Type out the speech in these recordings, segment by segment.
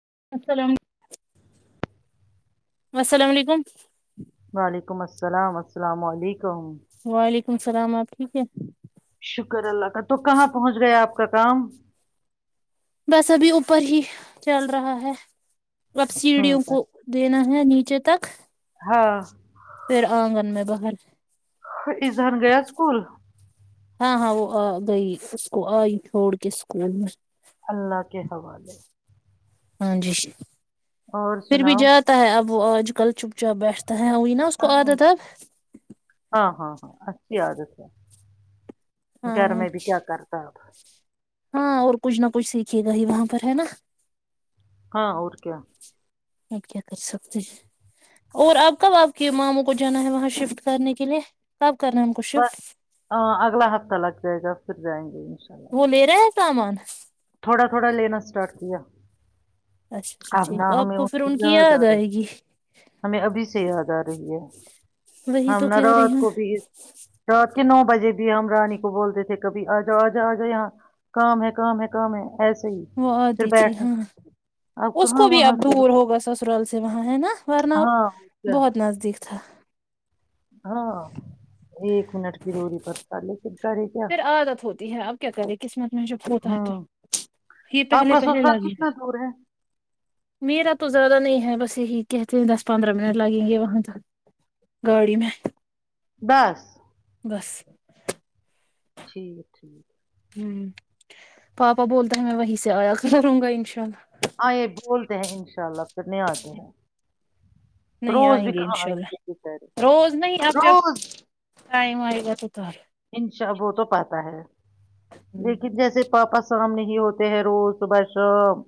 [unintelligible] السلام علیکم [unintelligible] وعلیکم السلام السلام علیکم تو [unintelligible] ولیکم السلام آپ ٹھیک ہے [unintelligible] شکر اللہ کا تو کہاں پہنچ گئے آپ کا کام [unintelligible] بس ابھی اوپر ہی چل رہا ہے ہوں سبسڈیوں کو دینا نیچے تک [unintelligible] ہاں [unintelligible] پھر آنگن میں باہر اظہر گیا اسکول ہاں ہاں وہ آ گئی اس کو آئی چھوڑ کے اسکول میں اللہ کے حوالے ہاں جی [unintelligible] اور پھر بھی سناؤ جاتا ہے اب وہ آج کل چ [unintelligible] اچھا بیٹھتا ہیں وہئی نا اس کو ہوں، عادت آب [unintelligible] ہاں ہاں اچھی آادت ہے [unintelligible] ہاں گھر میں بھی کیا کرتا آپ [unintelligible] ہاں اور کچھ نہ کچھ سیکھیے گا ہی وہاں پر ہے نا ہاں اور کیا [unintelligible] کیا کر سکتے ہیں اور اپ کب آپ کے ماموں کو جانا ہے وہاں شفٹ کرنے کے لیے کب [unintelligible] بس شفٹ ہ اگلا ہفتہ لگ جائے گا پھر جائیں گے انشاء اللہ وہ لے رہے ہیں سامان [unintelligible] تھوڑا تھوڑا لینا اسٹارٹ کیا اچھا اچھا اب نہ ٹھیک آپ ہمیں کو پھر ان کی یاد آ رہی آئے گی ہمیں ابھی سے یاد آ رہی ہے وہی ہم تو نہ کہہ رہی رات ہوں کو بھی رات کہ نو بجے بھی ہم رانی کو بولتے تھے کبھی آ جاؤ آ جاؤ آ جاؤ یہاں کام ہے کام ہے [unintelligible] گم [unintelligible] وہ آتی تھی ہاں اب اس کہاں کو بھی وہاں اب سے ہو- دور ہوگا سسرال سے وہاں ہے نا ورنہ ہاں کیا بہت نزدیک تھا [unintelligible] ہاں [unintelligible] ایک منٹ کی دوری پرڑتا لیکن کرے کیا پھر عادت ہوتی ہے اب کیا کریں قسمت میں جب ہوتا ہے تو ہوں یہ آپ پہلے کا پہلے سسرال لگے گا کتنا دور ہے میرا تو زیادہ نہیں بس یہی کہتے ہیں دس پندرہ منٹ لگیں گے وہاں تک گاڑی میں بس [inaudible] گس ٹھیک ہے ٹھیک ہوں پاپا بولتا ہے میں وہیں سے آیا کلوں گا انشاءلہ آے بولتے ہیں انشاء اللہ کرنے آتے ہیں نہیں روز آئیں بھی گے کہاں انشاء آئیں گے اللہ بھیتر روز نہیں اب جب روز ٹائم آئے گا تو تب انشا وہ تو پاتا ہے لیکن جیسے پاپا سامنے ہی ہوتے ہیں روز صبح شام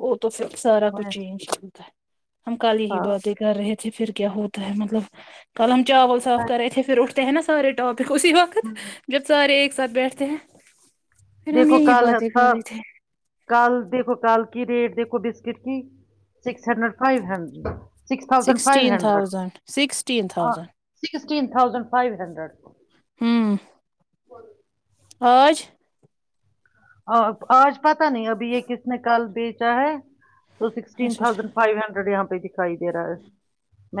وہ تو پھر سارا کچھ ویسے- چینج چلتا ہے ہم کالی ہی ہاں بات ہی کر رہے تھ پھر کیا ہوتا ہے مطلب کاللم [unintelligible] ہے ن سارے اپ اسی وقت ہوں جب سارے ایک ساتھ بیٹھتے ہیں پھر ہم دیکھو یہی کال باتیں کر تھا رہے تھے کال دیکھو کال کی ریٹ دیکھو بسکٹ کی six hundred five hundred six thousand five sixteen hundred thousand sixteen thousand sixteen thousand five hundred کو ہاں آج آج پتا نہیں ابھی یہ کس نے کل بیچا ہے تو سکسٹین اچھا اچھا تھازنڈ فائیو ہنڈریڈ یہاں پر دکھائی دے رہا ہے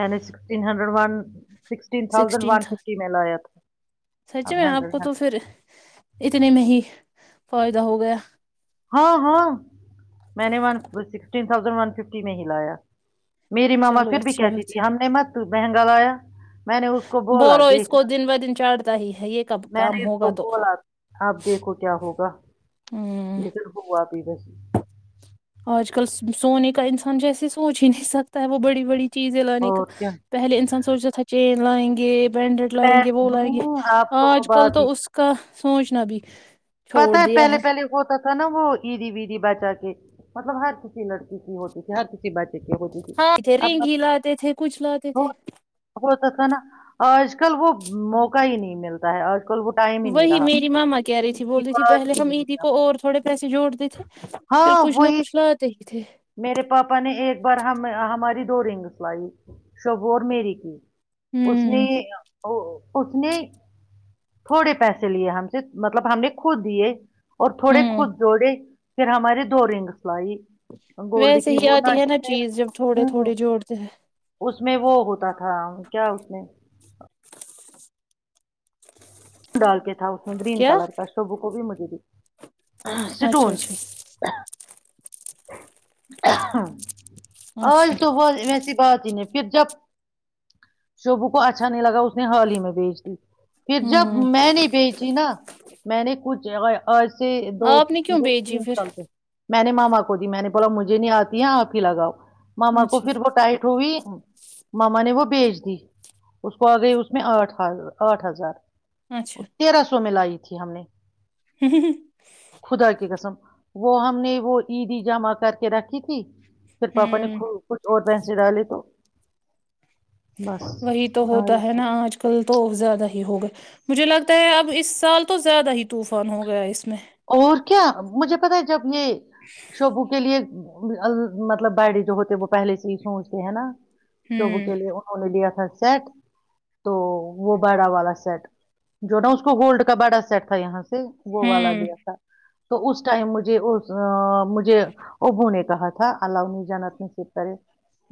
میں نے sixteen hundred one sixteen sixteen one تھا ففٹی میں لایا تھا سچ اب میں آپ کو ہنڈریڈ تو پھر اتنے میں ہی فائدہ ہو گیا ہاں ہاں میں نے one sixteen thousand one fifty میں ہی لایا میری ماما چلو پھر بھی اچھی کہتی بات تھی ہے ہم نے مت مہنگا لایا میں نے اس کو بولا بولو اس کو دیکھنا دن ب دن چاھتا ہی ہے یہ کب میں کام نے اس کو ہوگا تو بولا ہوں نصرف ہوا [unintelligible] پی بس [unintelligible] آج کل سونے کا انسان جیسے سوچ ہی نہیں سکتا ہے وہ بڑی بڑی [unintelligible] چیزیں لانے کا اور کیا پہلے انسان سوچتا تھا چینج [unintelligible] لڑائیں گے [unintelligible] بینڈڈ میں لائیں گے وہ لائیں گے ہوں آپ تو وہ آج کل بات ہی تو اس کا سوچنا بھی چھوڑ دیا ہے [unintelligible] نم وہ عیدی ویدی بچا کے مطلب ہر کسی لڑکی کی ہوتی ت ہر کسی بچ [unintelligible] ہاں رینگی لاتے تھے کچھ لاتے تھے [unintelligible] تو تھا نا آج [unintelligible] کل وہ موقع ہی نہیں ملتا ہے اور [unintelligible] وہی میری ماما کہہ رہی تھی کی بول رہی تھی پہل بات ہی ہم نہیں عیدی ہے اب۔ کو اور تھوڑے پیسے [unintelligible] جوڑ دی تھے پھر ہاں کچھ نہ وہی کچ لاتے [unintelligible] جیے [unintelligible] میرے پاپا نے ایک بار ہماری دو رنگس لائی شوبور میری کی [unintelligible] اس نے ہوں [unintelligible] اس نے تھوڑے پیسے لیے ہم سے مطلب ہم نے خود دیے اور تھوڑے ہوں خود جوڑے پھر ہمارے دو رنگس لائی گولڈ ویسے کی ہی وہ آتی ہے جس نا میں چیز جب تھوڑے ہوں تھوڑے جوڑتے ہیں [unintelligible] اس میں وہ ہوتا تا تھا کیا اس نے [unintelligible] ڈالتے تھا اس [unintelligible] گرین کیا کلر کا شب کو بھی مھ [unintelligible] ج اچھا سٹون اچھا ہاں آج اچھا صبح ویسی بات ہی نہیں پھر جب شب کو اچھا نہیں لگا اس اس نے ہال ہی میں بیچ دی پھر جب ہوں میں نہیں بیچی نا میں نے کچھ دو آپ نے کیوں دو بھیجی تین پھر چلتے میں نے ماما کو تی میں نے بولا مجھے نہیں آتی ہے آپ ہی لگاؤ ماما کو اچھا پھر وہ ٹائٹ ہوئی ماما نے وہ بیج دی اس کو آ گئی اس میں آٹھ آٹھ ہزار وہ اچھا تیرہ سو میں لائی ت دھی ہم نے خدا کے قسم [unintelligible] وہ ہم نے وہ [unintelligible] ت دی جمع کر کے رکھی تھی پھر پاپا نے ہوں کچھ اور پنس ڈالے تو بس وہی تو ہوتا آئی ہے تھی نا آج کل تو زیادہ ہی ہو گئے مجھے لگتا ہے اب اس سال تو زیادہ ہی طوفان ہو گیا اس میں اور کیا مجھے پتا ہے اپ یہ شبو کے لیے [unintelligible] مطلب باڈے جو ہوتے وہ پہلے سے ہی سوچتے ہے نا سبو ہوں کےل انوں نے دیا تھا سیٹ تو وہ بڑا والا سیٹ جو نا اس کو گولڈ کا بڑا سیٹ تھا یہاں سے گوا ل ہوں دیا تو اس ٹائم مجھے اس مجھے ابو نے کہا تھا اللہی جانت نصب کرے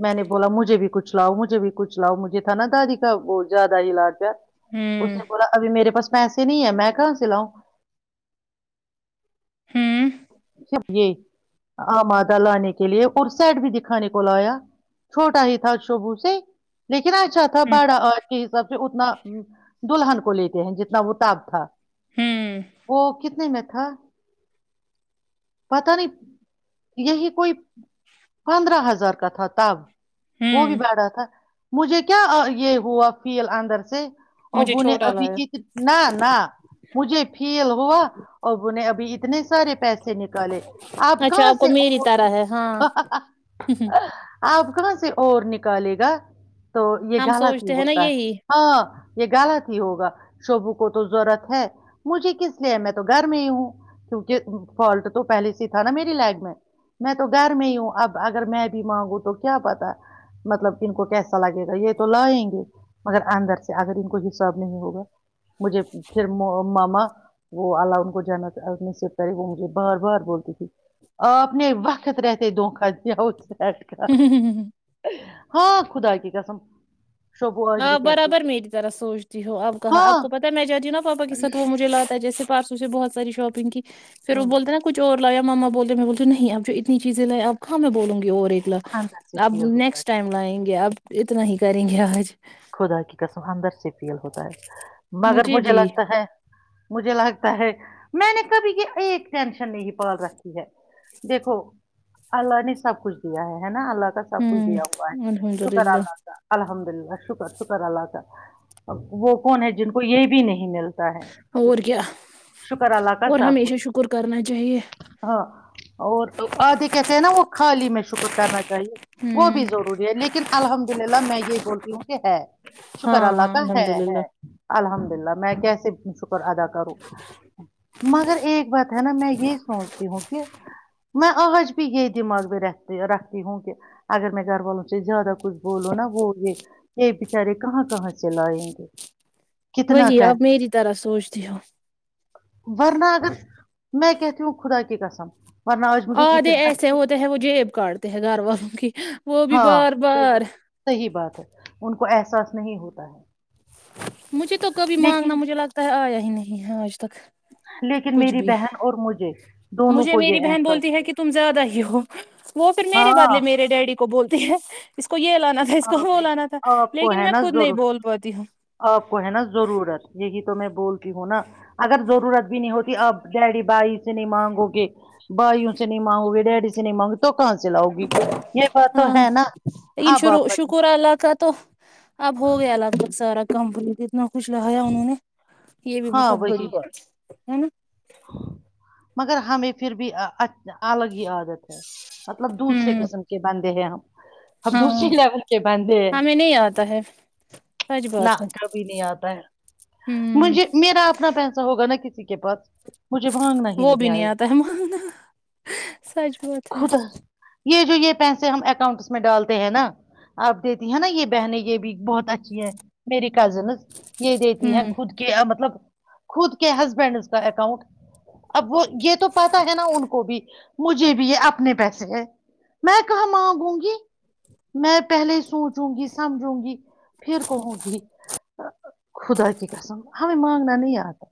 میں نے بولا مجھے بھی کچھ لاؤ مجھے بھی کچھ لاؤ مجھے تھا نا دادی کا زیادہ علاج گیا اس ہوں نے بولا ابھی میرے پاس پیسے نہیں ہے میں کہاں سے لؤں ہاں [inaudible] یہ آمادہ لانے کے لیے اور سیڈ بھی دکھانے کو لایا چھوٹا ہی تھا شوبو سے لیکن کرا اچھا تھا ہ باڑا اور کے سب اتنا دلہن کو لیتے ہیں جتنا وہ تب تھا ہوں وہ کتنے میں [inaudible] تھاھ [inaudible] پتا نہیں یہی کوئی پندرہ ہزار کا تھا تب وہ بھی ہوں بڑ رہا تھا مجھے کیا یہ ہوا فیل اندر سے مجھے اب نے چھوٹا ابھی لایا ا نہ نہ مجھے فیل ہو ہوا اور ب نے ابھی اتنے سے پیسے نکالے آپ اچھا کہاں کو سے میری طرح ہے ہاں آ آپ کہاں سے اور نکالے گا تو یہ ہم غلط ہی سوچتے ہیں نا ہوتا ہے یہی ہاں یہ غلط ہوگا شوبو کو تو ضرورت ہے مجھے کس لیے میں تو گھر میں ہی ہوں کیونکہ فالٹ تو پہلے سے تھا نا میری لگ میں میں تو گھر میں ہی ہوں اب اگر میں بھی مانگوں تو کیا پتا مطلب ان کو کیسا لگے گا یہ تو لائیں گے مگر اندر سے اگر ان کو یہ ساب نہیں ہوگا مجھے پھر ماما وہ اللہ ان کو جانا سے کرے وہ مجھے بار بار بولتی تھی آپ نے وقت رہتے دکھا دیا سٹ کاا [inaudible] ہاں خدا کی قسم [unintelligible] آج بھی آ کہتی برابر ہے میری طرح سوچتی ہو اب کہاں ہاں آپ کو پتا ہے میں جاتتیی ہوںا پاپا کے ساتھ وہ مجھے لاتا ہے جیسے پاپ [unintelligible] اسے بہت ساری شاپنگ کی [unintelligible] پھر وہ ہوں بولتے نا کچھ اور [unintelligible] لیا ماما بولے میں بولتےوں نہیںپ جو اتنی چیزیں لائی آپ خاں میں بولوں گی [unintelligible] اور ایکلا اندر سے اب فیل ہوتا ہے نیکسٹ ٹائم خدا لائیں گے اب [unintelligible] اتنا ہی کریں گے آج [unintelligible] خدا کی کسمدر سے [unintelligible] فیل ہوتا ہے مگر مجھے لگتا ہے [unintelligible] مجھے لگتا ہے میں نے کبھی کی ایک ٹینشن نہیں پال رکھی ہے دیکھو اللہ نے سب کچھ دیا ہے ہے نا [unintelligible] اللہ کا سب کچھ ہوں دیا ہوا ہے الحمد شکر للہ اللہ کا الحمد للہ ش [unintelligible] کرش کررا [unintelligible] وہ کون ہے جن کو یہ بھی نہیں ملتا [unintelligible] ہے اور شر کیا شکر اللہ کا اور ساب ہمیشہ شکر کرنا چاہیے کچھ ہاں اور آھے کہتے ہیں نا وہ خالی میں [unintelligible] شکر کرنا [unintelligible] وہ ہوں بھی ضروری ہے لیکن الحمد للہ میں [unintelligible] یہ بول [unintelligible] کیونکہ ہے [unintelligible] شکر ہاں اللہ ہاں کا ہے الحمد للہ ہے الحمد [unintelligible] لہ میں کیسے شک [unintelligible] ادا کروں مگر ایک بات ہے نا میں یہ سوچتی ہوں کہ [unintelligible] میں آج بھی یہ دماغ بھی رکھتی ہوں کہ اگر میں گھر والوں سے زیادہ کچھ بولوں نا وہ یہ یہ بچارے کہاں کہاں سے لائیں گے کتنا وہی کر آپ میری طرح سوچتی ہو ورنہ اگر میں کہتی ہوں خدا کی قسم ورنہ آج مجھے آ دھے اتنے اچھے ایسے ہوتے ہیں وہ جیب کاٹتے ہیں گھر والوں کی وہ بھی ہاں بار صحیح بار صحیح بات ہے ان کو احساس نہیں ہوتا ہے مجھے تو کبھی مانگنا لیکن مجھے لگتا ہے آیا ہی نہیں ہے آج تک لیکن کچھ میری بھی بہن اور مجھے دونوں مجھے کو میری یہ بہن احساس بولتی ہے کہ تم زیادہ ہی ہو وہ پھر میرے ہاں بدلے میرے ڈیڈی کو بولتی ہے اس کو کو یہ لانا تھا اس کو وہ لانا تھا آپ کو لیکن ہے میں نا خود نہیں ضرورت بول پاتی ہوں آپ کو ہے نا ضرورت یہی تو میں بولتی ہوں نا اگر ضرورت بھی نہیں ہوتی آپ ڈیڈی بھائی سے نہیں مانگو گے بھائیوں سے نہیں مانگو گے ڈیڈی سے نہیں مانگوگے تو کہاں سے لاؤ گی یہ بات تو ہاں ہے نا لیکن اب شروع آپ شکر اللہ کا تو اب ہو گیا لگبگ سارا کمپنی نہ کچھ لگایا انہوں نے یہ بھی ہاں بہت بڑی وہی بات ہے ہے نا [unintelligible] مگر ہمیں پھر بھی الگ ہی عادت ہے مطلب دوسرے ہوں قسم کے بند بندے ہے ہم ہم دوسری ہاں لیول کے بندے ہے ہمیں نہیں آتا ہے سچ نہ بات ہے کبھی نہیں آتا ہے ہوں مجھے میرا اپنا پیسہ ہوگا نا کسی کے پاس مجھے مانگنا ہی وہ بھی نہیں آئے آتا ہے مانگنا سچ بات ہے خدا یہ جو یہ پیسے ہم اکاؤنٹس میں ڈالتے ہیں نا آپ دیتی ہے نا یہ بہنیں یہ بھی بہت اچھی ہے میری کزنز یہ دیتی ہیں ہوں خود کے مطلب خود کے ہسبینڈز کا اکاؤنٹ اب وہ یہ تو پتا ہے نا ان کو بھی مجھے بھی یہ اپنے پیسے ہے میں کہاں مانگوں گی میں پہلے سوچ [unintelligible] س جوں گی سمجوں گی پھر کہوں گی [unintelligible] خدا کی قسم ہمیں مانگنا نہیں آتا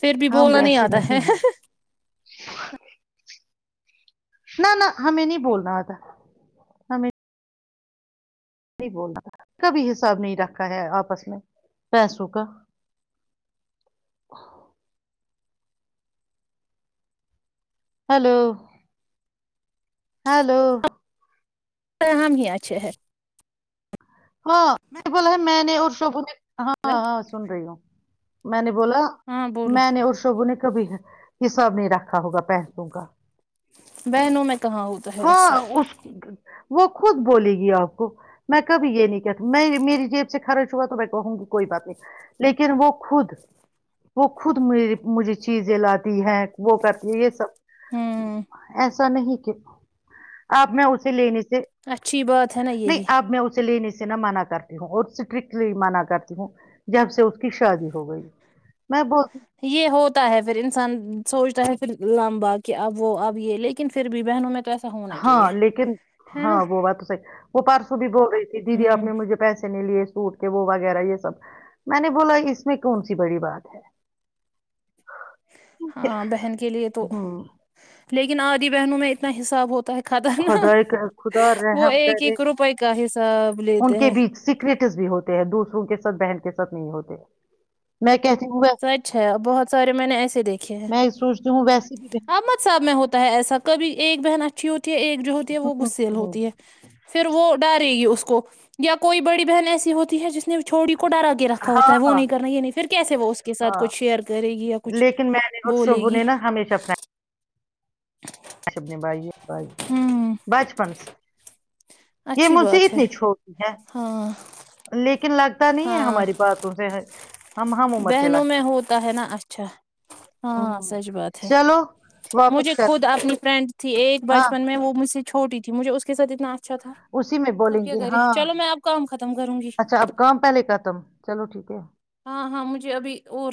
پھر بھی بولا نہیں آ [unintelligible] اد [unintelligible] ب [unintelligible] نہ نہ ہمیں نہیں بولنا ہوتا ہمیں نہیں بول رہ کبھی حساب نہیں رکھا ہے آپس میں پیسوں کا [unintelligible] ہلو [unintelligible] ہلو [unintelligible] فر ہم ہی اچھے ہے [unintelligible] ہاں میں بولا میں نے اور شب نے [unintelligible] ہیلو ہاں ہاں سن رہی ہوں میں نے [unintelligible] بولا ہاں بولو میں نے اور سب نے [unintelligible] کبھی حصہ نہیں رکھا ہوگا پیسوں کا بہنوں میں کہاں ہوتا ہے ہاں ایسا اس وہ خود بولے گی آپ کو میں کب یہ نہیں کہ تھا میں میری جیب سے خرچ ہوا تو بیٹھے کہوں گی کوئی بات نہیں لیکن وہ خود وہ خود م مجھے چیزیں لاتی ہیں وہ کرتی ہے یہ سب ہوں ایسا ایا نہیں کہ آپ میں اسے لینے سے اچھی بات ہے نا نہیں یہی آپ میں اسے لینے سے نہ مانا کرتی ہوں اور اسٹرکٹلی مانا کرتی ہوں جب سے اس کی شادی ہو گئی میں بہت یہ ہوتا ہے پھر انسان سوچتا ہے پھر لمبا کہ اب وہ اب یہ لیکن پھر بھی بہنوں میں تو ایسا ہونا چاہیے ہاں لیکن ہے نا ہاں وہ بات تو صحیح وہ پارس س بھی ب تھی دیدی آ ہوں نے مجھے پیسے نہیں لیے سوٹ کے وہ وغیرہ یہ سب میں نے بولا اس میں کون سی بڑی بات ہے ہاں بہن کے لیے تو ہوں لیکن آدی بہنوں میں اتنا حساب ہوتا ہے خدا خطرناک کر خدا وہ رحم ایک کرے ایک روپئے کا حساب ان لیتے کے ہیں بیچ سیکریٹس بھی ہوتے ہیں دوسروں کے ساتھ بہن ساتھ نہیں ہوتے میں کیا سچ ہے بہت سارے میں نے ایسے دیکھے ہیں میں سوچتی ہوں ویسے بھی احمد صاحب میں ہوتا ہے ایسا کبھی ایک بہن اچ توت تی ایک جو ہوتی ہے وہ غسیل ہوں ہوتی ہے پھر وہ ڈرے گی اس کو یا کوئی بڑی بہن ایسی ہوتی ہے جس نے چوڑی کو ڈر آ کے رکھا ہاں ہوتا ہے وہ ہاں نہیں کرنا یہ نہیں پھر کیسے وہ اس کو ساتھ ہاں کچھ شیئر کرے گی یا کچھ لیکن میں نے اور بولے شعبو گی شب نے بھائیے بھائی ہوں بچپن سے یہ اچھی مز بات ہے اتنی چھوڑی ہے ہاں لیکن لگ پتا نہیں ہے ہاں ہماری باتوں سے ہم ہم عمر کے بہنوں میں لاتے ہوتا ہے نا اچھا ہاں ہ سچ بات چلو واپس کرنا فنڈ تھی ایک ہاں بچپن میں وہ مجھ سے چھٹی تھی مجھے کے سات اتنا اچھا تھا اسی میں اب بولیں کیا گے کرے ہاں چلو میں اب کام ختم کروں گی اچھا اب کام پہلے ختم چلو ٹھیک ہے ہاں ہاں مجھے ابھی اور